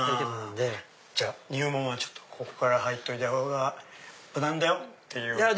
じゃあ入門はここから入った方が無難だよっていう。